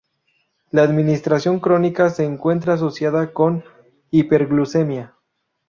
La administración crónica se encuentra asociada con hiperglucemia.